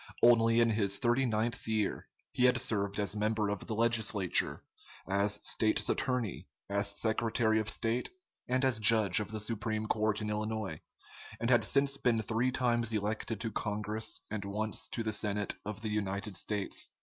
Only in his thirty ninth year, he had served as member of the legislature, as State's Attorney, as Secretary of State, and as judge of the Supreme Court in Illinois, and had since been three times elected to Congress and once to the Senate of the United States.